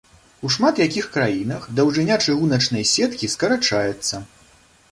У шмат якіх краінах даўжыня чыгуначнай сеткі скарачаецца.